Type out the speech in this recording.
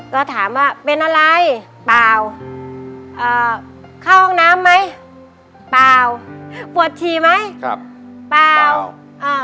ก็ถามว่าเป็นอะไรเปล่าเอ่อเข้าห้องน้ำไหมเปล่าปวดฉี่ไหมครับเปล่าอ่า